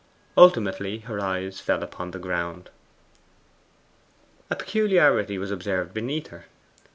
Ultimately her eyes fell upon the ground. A peculiarity was observable beneath her.